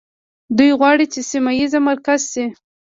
دوی غواړي چې سیمه ییز مرکز شي.